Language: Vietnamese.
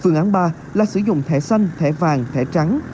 phương án ba là sử dụng thẻ xanh thẻ vàng thẻ trắng